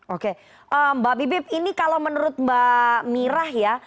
oke mbak bibip ini kalau menurut mbak mirah ya